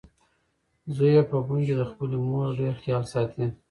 زوی یې په بن کې د خپلې مور ډېر خیال ساتي.